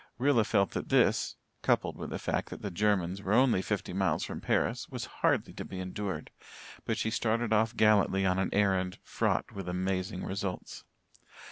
Rilla felt that this, coupled with the fact that the Germans were only fifty miles from Paris, was hardly to be endured. But she started off gallantly on an errand fraught with amazing results.